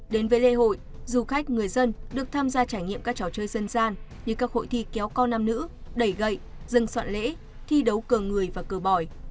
đến với lễ hội du khách người dân được tham gia trải nghiệm các trò chơi dân gian như các hội thi kéo co nam nữ đẩy gậy dừng soạn lễ thi đấu cờ người và cờ bồi